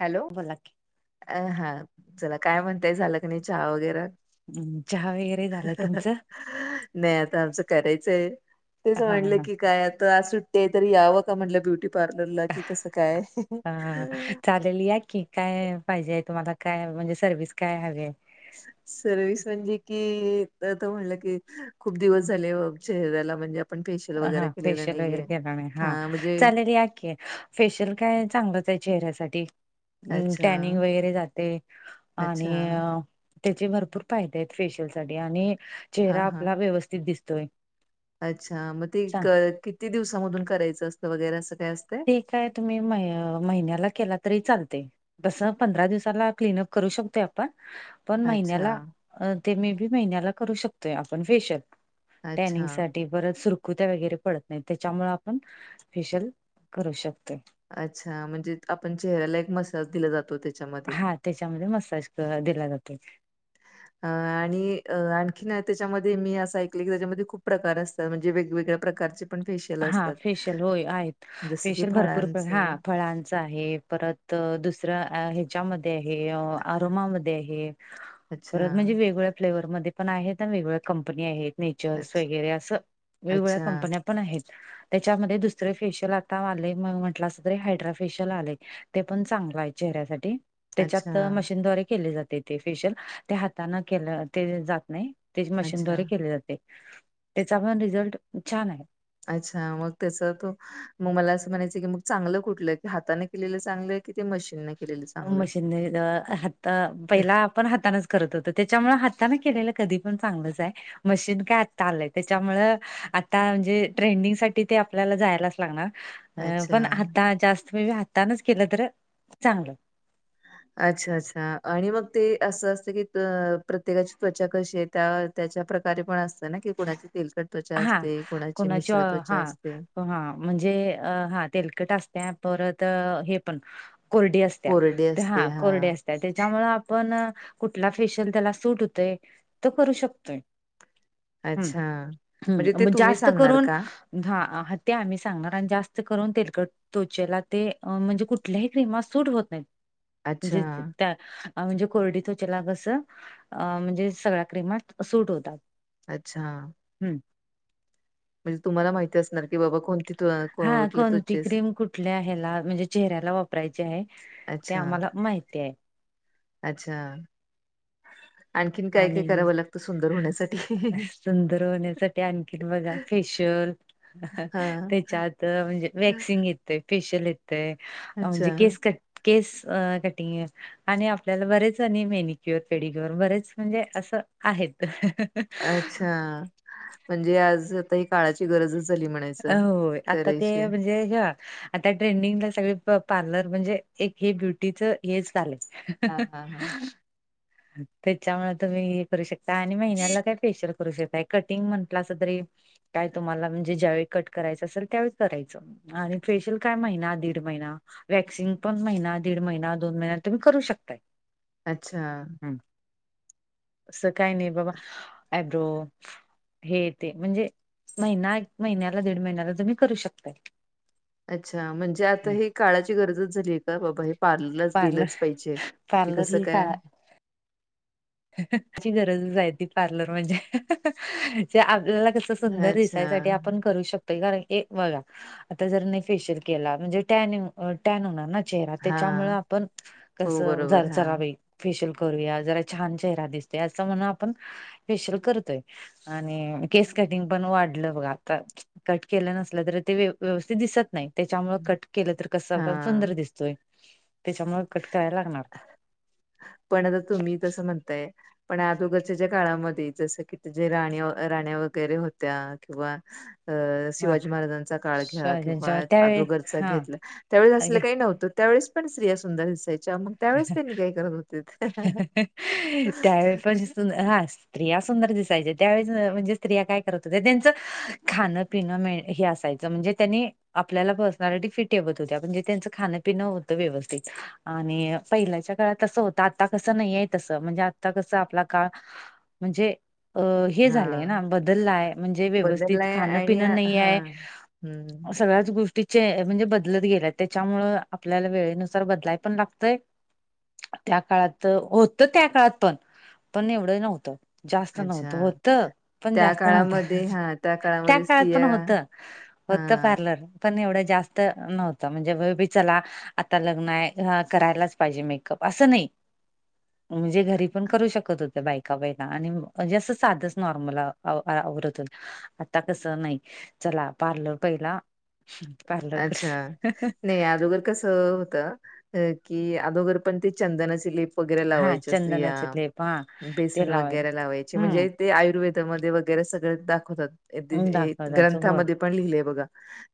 Hello बोला की अ हा चला काय म्हणताय झालं क नाही चहा वगैरे म् चहा वगैरे झालं तुमचं नाही आता आमचं करायचंय तेचं हा म्हटलं हा की काय आता सुट ते तरी यावं का म्हटलं ब्युटी पार्लरला कि कसं काय हा चालेल काय की काय पाहिजे तुम्हाला काय म्हणजे सर्ववि्हस काय हवी आहे सर्विस म्हणजे कि आ म्हटलं की खूप दिवस झाले चेहऱ्याला म्हणजे आपण फेशियल हा वगैरे केलेलं फेशियल वगैरे नाहीये केला नाही हा चालेल याकी फेशियल काय चांगलंच आहे चेहऱ्यासाठी अच्छा टॅनिंग वगैरे जाते आणि अच्छा अ त्याचे भरपूर फायदे आहेत फेशियल साठी आणि हा चेहरा हा आपला व्यवस्थित दिसतोय अच्छा मग ते चांग क किती दिवसामधून करायचं असतं वगैरे असं काय असतय ते काय तुम्ही म महिन्याला केला तरी चालते तस पंधरा दिवसाला क्लनअप करू शकतोय आपण पण अच्छा महिन्याला ते मे बी महिन्याला करू शकतोय आपण फेशियल टॅनिंग अच्छा साठी परत सुरकुत्या वगैरे पडत नाही त्याच्यामुळे आपण फेशल करू शकतेो अच्छा म्हणजे आपण चेहऱ्याला एक मसाज दिला जातो त्याच्यामध्ये हा त्याच्यामध्ये मसाज दिला जाते अ आणि अ आणखीन त्याच्यामध्ये मी असं ऐकलं की त्याच्यामध्ये खूप प्रकार असत म्हणजे वेगवेगळ्या प्रकार हा फेशियल होय आहेत जसं की फेशियल भरपूर हा फळांचं फळां आहे परत दुसऱ्या ह्याच्यामध्ये आहे आरोमामध्ये आहे अच्छा परत म्हणजे वेगळ्या फ्लेवर मध्ये पण आहेत. आणि वेगळ्या कंपनी आहेत. नेचर्स अच्छ वगैरे असं वेगवेगळ्या अच्छा. कंपन्या पण आहेत त्याच्यामध्ये दुसरे फेशियल आता आले म म्हटलं अस तरी हायड्रा फेशियल आलय ते पण चांगलं आहे चेहऱ्यासाठी अच्छा त्याच्यात मशीनद््वारे केले जाते ते फेशियल त्या हाताने केलं ते जात नाही. ते अच्छा मशीनद्वारे केले जाते त्याचा पण रिझल्ट छान आहे अच्छा मग त्याच तो मग मला असं म्हणायचं की मग चांगलं कुठलंय की हाताने केलेलं चांगलंय किती मशीन नाही. मशीन हता पहिला आपण हाताानच करत होत त्याच्यामुळे हाताने केलेलं कधी पण चांगलंच आहे. मशीन काय आलय त्याच्यामुळ आता म्हणजे ट्रेंडिंग साठी ते आपल्याला जायलाच लागणार. अ पण अच्छा. हात जास्त म्हणजे हातानच केलं तर चांगलं. अच्छा अच्छा आणि मग ते असं असतं की प्रत्येकाची त्वचा कशी आहे. त्या त्याच्या प्रकारे पण असत ना की कुणाची तेलकट त्वचा हा असते कोुणाची कोणाच्या मिश्र त्वचा हा असते. हा म्हणजे हा तेलकट असत परत हे पण कोरडी असत्या कोरडी तर असते. हा कोरडी हां. असत्या. त्याच्यामु आपण कुठला फेशियल त्याला सूट होतोय तर करू शकतोय. अच्छा ह म्हणजे ते मग तुम्ही जास्त सांगणार करून का? ह ते आम्ही सांगणार आणि जास्त करून तेलकट त्वचेला ते म्हणजे कुठल्याही क्रीम सूट होत नाहीत अच्छा, म्हणजे त्या म्हणजे कोरडी तो चलागस म्हणजे सगळ्या क्रीमात सूट होतात. अच्छा. हम्म. म्हणजे तुम्हाला माहिती असणार की बाबा कोणती हां कोठले कोणती त्चेस क्रीम कुठल्या ह्याला म्हणजे चेहऱ्याला वापरायचे आहे. ते अच्छा, आम्हाला माहिती आहे अच्छा आणखीन काय-काय आणि मी करावं लागतं सुंदर होण्यासाठी? सुंदर होण्यासाठी आणखीन बघा फेशियल हां. त्याच्यात म्हणजे वॅक्सिन येत फेशिल इेत अ अच्छा, ज कस क केस कटिंग आणि आपल्याला बरेच आणि मेनिक्युअर, पेडिक्युअर बरेच म्हणजे असं आहेत अच्छा म्हणजे आज आता ह काळाची गरजच झाली म्हणायचं होय आता ते करायचे. म्हणजे ह आता ट्रेंडिंगला सग पार्लर म्हणजे एक हे ब्युटीच हेच झाले. हा हा हा. त्याच्यामुळ तुम्ही करू शकता आणि महिन्याला काय फेशिल [unintelligible] कटिंग म्हंटलं अस तरी काय तुम्हाला म्हणजे ज्यावेळी कट करायचं असेल त्यावेळी करायचं आणि फेशियल काय महिना, दीड महिना वॅक्सिंग पण महिना दीड महिना दोन महिन तुम्ही करू शकताय. अच्छा! अस काही नाही बाबा एब्रो हे ते म्हणजे महिना एक महिन्याला दीड महिन्याला तुम्ही करू शकताय. अच्छा! म्हणजे आता ह काळाची गरजच झालीय आहे का बाबा हे पार्लर पार्लर गेलंच पाहिजे, हे पार्लर कस ही काय. का ची गरजच आहे ती पार्लर म्हणजे, आपल्याला कस सुंदर अच्छा दिसासाठी आपण करू शकतो. कारण बघा आता जर नाही फेशियल केला म्हणजे टनिंग, अ टॅन होणार ना चेहरा हा त्याच्यामुळे आपण हो कसं बरोबर झर हा. चरावे, फेशियल करूया, जरा छान चेहरा दिसते, असं म्हण आपण फेशियल करतोय. आणि केस कटिंग पण वाढलं बघ आता कट केलं नसल तर ते व्यवस्थित दिसत नाही. त्याच्यामुळे कट केलं तर कसं हा आपल्या सुंदर दिसतोय त्याच्यामुळे कट करायला लागणार. पण आता तुम्ही तसं म्हणताय. पण आदोगरच्याच्या काळामध्ये जस की जे राण्या राण्या वगैरे होत्या किंवा अ हा शिवाजी महाराजांचा काळ घ्या किंवा ज्यांच्या त्यावेळी आदोगरचा हा घेतलं त्यावेळेस असलं काही नव्हतं. त्यावेळेस पण स्त्रिया सुंदर दिसायच्या मग त्यावेळेस त्यांनी काय करत होत. त्यावेळी पण हा स्त्रिया सुंदर दिसायच्या त्यावेळेस म्हणजे स्त्रिया काय करत हो त्यांच खाण पिणं हे असायचं म्हणजे त्यांनी आपल्याला पर्सनालिटी फिट ठेवत होत्या, पणजे त्यांचं खाणंपिनं होतं व्यवस्थित आणि पहिल्याच्या काळात तसं होत. आता कसं नाहीय तसं म्हणजे आता कसं आपला काळ म्हणजे अ हे झालंय हा ना बदललाय म्हणजे व्यवस्थित बदललाय खाणं आणि पिण नाही आहे. हां. हम्म. सगळ्याच गोष्टी चे म्हणजे बदलत गेला त्याच्यामुळ आपल्याला वेळेनुसार बदलाय पण लागतय. त्या काळात होत त्या काळात पण पण एवढं नव्हतं. जास्त नव्हत, अच्छा. होत पण त्या जास्त नव्हत, काळामध्ये हां, त्या काळामध्ये काळात पण स्त्रिया होत. होत हां. पार्लर. पण एवढं जास्त नव्हतं, म्हणजे वबी चला आता लग्न आहे करायलाच पाहिजे मेकअप असं नाही. म्हणजे घरी पण करू शकत होत्या बायका, बाईका आणिजे असं साधच नॉर्मल आवरत होत. आता कसं नाही, चला पार्लर पहिला अच्छा! पार्लरकडे नाही अदोगर कस होतं. अ की अदोघर पण ते चंदनाचे लिप व हा लाव्हायच्या स्त्रिया चंदनाचे लेप हा ते बेसन वग लावाय लाय हम्म म्हण आयुर्वे वगैरे सगळ दाखवतात दाखवताच हो ग्रंथामध्ये पण लिहिलेय बघा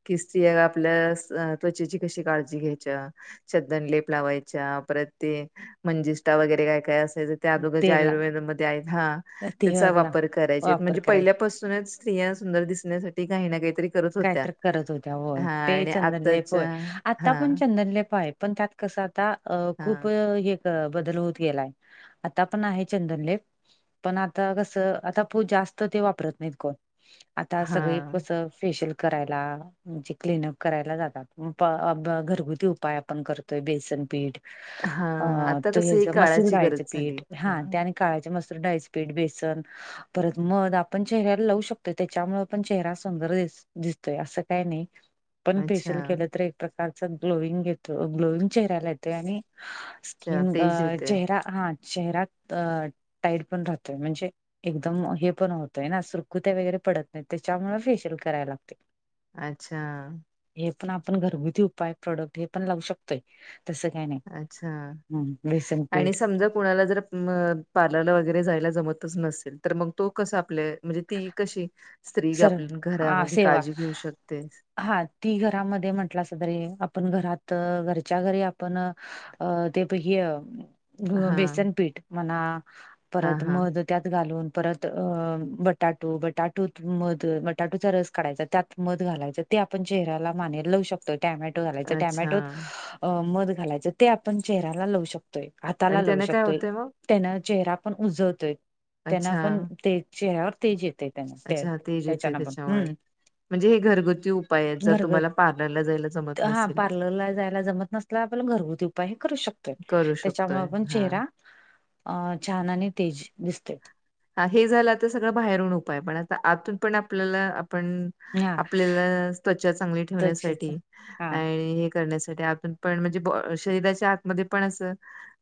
कि आपल्या त्वचेची कशी काळजी घ्यायच्या. चंदन लेप लावायच्या, परत ते म्हणजिष्टा वगैरे काय काय असायचं. त्या आदोघा ज्या तेल आयुर्वेदामध्ये आहेत, हा त्याचा तेला वापर करायचे वापर म्हणजे करायच पहिल्यापासूनच स्त्रिया सुंदर दिसण्यासाठी काही ना काहीतरी करत होत्या. कायतर करत होत्या होय, हा ते आणि चंदनलेप आताच्या होय, आता हा पण चंदनलेप आहे, पण त्यात कस आता अ हा खूप हे बदल होत गेलाय, आता पण आहे चंदनलेप. पण आता कस आता जास्त ते वापरत नाहीत कोण. आता सगळे हा कस फेशियल करायला. म्हणजे क्लिनअप करायला जातात घरगुती उपाय आपण करतोय बेसनपीठ, हा अ आता कसं ही तच मसूर काळाची डायचं गरज झाली पीठ हा त्या काळाची मसूर डाळीचं पीठ, बेसन परत मध आपण चेहऱ्याला लावू शकतोय त्याच्यामुळे पण चेहरा सुंदर दिसतोय. दिसतोय असं काय नाही पण फेशल अच्छा केलं तर एक प्रकारच ग्लोईंग येतो ग्लोईंग चेहऱ्याला येतोय. आणि अच्छा स्किन तेच येते चेहरा हा चेहरा टाईट पण राहतोय म्हणजे एकदम हे पण होतय ना सुरकुत्या वगैरे पडत नाहीत त्याच्यामुळे फेशियल कराय लागतय. आच्छा. हे पण आपण घरगुती उपाय प्रोडक्ट हे पण लावू शकतोय. तसं काय नाय. अच्छा आणि समजा कुणाला जर म पार्लरला वगैरे जायला जमतच नसेल तर मग तो कसा आपल म्हणजे ती कशी स्त्री सर आप हा घरामध्ये सेवा काळजी घेऊ शकते? हा ती घरामध्ये म्हटलासा तरी आपण घरात घरच्या घरी आपण अ ते ब हय हा बेसनपीठ म्हणा हा परत हा मध त्यात घालून परत बटाटू बटाटु. बटाटुत मध बटाटूचा रस काढायचा त्यात मध घालायचं ते आपण चेहऱ्याला मानेला लावू शकतो. टोमॅटो घालायच अच्छा टॅमॅटोत मध घालायचं ते आपण चेहऱ्याला लावू शकतोय. शकतोय. आणि हाताला लावू त्याने काय शकतोय. होतंय मग? त्येन चेहरा पण उजळतोय त्येन अच्छा पण ते चेहऱ्यावर तेज येतेय. अच्छा तेज येतय त्येच्यामुळे. म्हणजे हे घरगुती उपाय आहेत जर घरगत तुम्हाला पार्लरला जायला जमत नसल तर. हा पार्लरला जायला जमत नसल आपण घरगुती उपाय हे करू शकतोय. करू त्याच्यामुळे शकतोय आपण हा. चेहरा अ छान आणि तेज दिसतोय. हा हे झालं तर सगळं बाहेरून उपाय पण आता आतून पण आपल्याला आपण हा आपल्याला त्वचा चांगली ठेवण्यासाठी त्वचेचा हा आणि हे करण्यासाठी आतून पण म्हणजे शरीराच्या आतमध्ये पण असं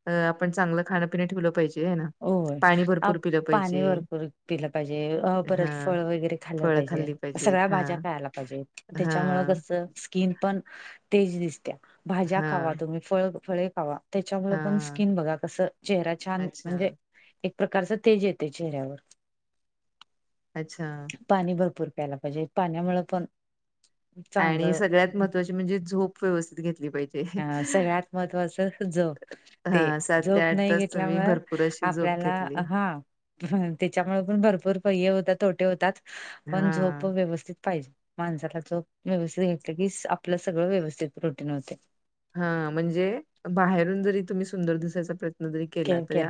अ आपण चांगलं खानपिन ठेवलं पाहिजे हाय ना होय. पाणी अ, भरपूर पिलं पाणी पाहिजे. भरपूर पिलं पाहिजे. परत हां, फळ वगैरे खाल्ल फळं पाहिजे, खाल्ली पाहिजेत. सगळ्या भाज्या हां, खायला पाहिजे. त्याच्यामुळं हां, कसं स्किन पण तेज दिसत्या भाज्या खावा, हां, तुम्ही फळ फळे खावा. त्येच्यामुळे पण हां. स्किन बघा कसं चेहरा छान अच्छा, म्हणजे एक प्रकारच तेज येतय चेहऱ्यावर अच्छा. पाणी भरपूर प्यायला पाहिजे पाण्यामुळ पण आणि चांगलं सगळ्यात महत्त्वाची म्हणजे झोप व्यवस्थित घेतली पाहिजे. अ सगळ्यात महत्वाचं झोप ते हां, ते झोप नाही तास तुम्ही घेतल्यामुळ भरपूर अशी झोप आपल्याला घेतली. हा. त्याच्यामुळे पण भरपूर पय्य होतात. तोटे होतात पण झोप हां. व्यवस्थित पाहिजे. माणसाला झोप व्यवस्थित घेतलं की आपलं सगळं व्यवस्थित रूटीन होतय. हा म्हणजे बाहेरून जरी तुम्ही सुंदर दिसायचा प्रयत्न जरी केला तरी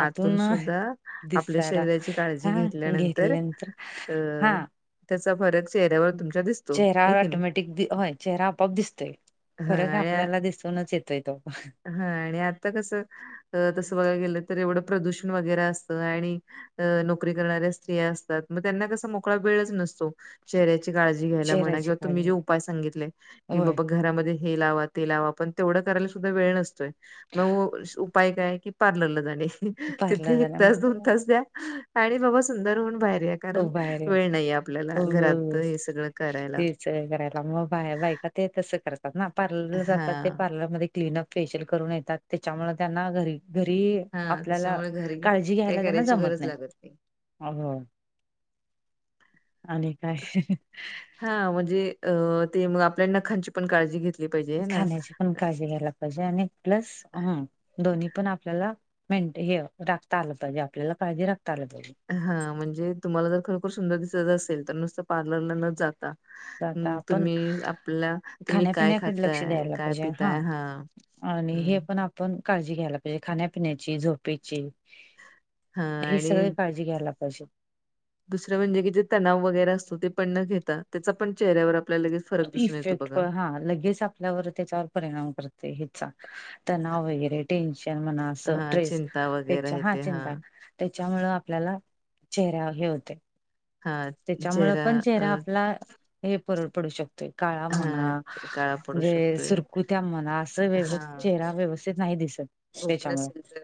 आतून सुद्धा आपल्या दिसायला शरीराची काळजी घेतल्यानंतर अ हा त्याचा फरक चेहऱ्यावर तुमच्या दिसतो चेहरा होय की नाही? ऑटोमॅटिक दि होय चेहरा आपोआप दिसतोय फरक हाय आपल्याला दिसूनच येतोय तो. हा आणि आता कसं तसं बघाय गेलं तर एवढं प्रदूषण वगैरे असतं आणि अ नोकरी करणाऱ्या स्त्रिया असतात. म त्यांना कसा मोकळा वेळच नसतो. चेहऱ्याची काळजी घ्यायला म्हणा चेहऱ्याची किंवा तुम्ही काळजी जे उपाय सांगितले की होय बाबा घरामध्ये हे लावा ते लावा पण तेवढं करायला सुद्धा वेळ नसतोय म [inaudible] उपाय काय की पार्लरला जाणे पार्लर तिथे एक तास दोन जाण्या तास द्या आणि बाबा सुंदर होऊन बाहेर या. कारण बाहेर या. वेळ नाहीेये आपल्याला हो हो घरात हो. हे सगळं करायला. तेच करायला म बा बायका ते तसं करतात ना पार्लरला जातात ते हां, पार्लरमध्ये क्लीनअप फेशियल करून येतात त्याच्यामुळे त्यांना घरी घरी हां. आपल्याला त्याच्यामुळे घरी काळजी काही घ्यायला त्यांना करायची जमत गरज नाय. लागत नाही. आ हो. आणि काय? हा म्हणजे अ ते मग आपल्या नखांची पण काळजी घेतली पाहिजे हे ना खाण्याची पण काळजी घ्यायला पाहिजे आणि प्लस हं दोन्ही पण आपल्याला मेंट हे राखता आलं पाहिजे आपल्याला काळजी राखता आलं पाहिजे. हा म्हणजे तुम्हाला जर खरोखर सुंदर दिसायचं असेल तर नुसतं पार्लरला न जाता तर आता हूं आपण तुम्ही आपला तुम्ही काय खाण्यापिण्याकडे लक्ष खाताय द्यायला काय पाहिजे पिताय हा आणि हे पण आप पण काळजी घ्यायला पाहिजे खाण्यापिण्याची झोपेची हां ही आणि सगळी काळजी जी घ्यायला पायजे. दुसरं म्हणजे की जे तणाव वगैरे असतो ते पण न घेता त्याचा पण चेहऱ्यावर आपल्या लगेच फरक दिसून येतो इफेक्ट प बघा. हा लगेच आप आपल्यावर त्याच्यावर परिणाम करते हेचा तणाव वगैरे टेन्शन म्हणा असं हां, ट्रेस चिंता वगैरे त्याच्या हे हा ते चिंता हां, त्याच्यामूळ आपल्याला चेहरा हे होतय. हां त्याच्यामुळ पण अ, चेहरा आपला हे परड पडू शक काळा म्हणा हां काळा पडू म्हणजे शकतोय. सुरकुत्या म्हणा अस व्य हां, चेहरा व्यवस् स्तित नाही दिसत झोप त्यामुळे नसेल तर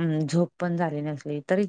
हूं झोप पण झाली नसली तरी